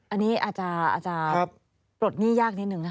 อันนี้อาจจะปลดหนี้ยากนิดนึงนะคะ